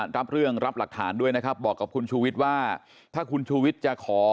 รับเรื่องรับหลักฐานด้วยนะครับบอกกับคุณชูวิทย์ว่าถ้าคุณชูวิทย์จะขอ